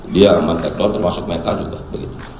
dia men take down termasuk meta juga begitu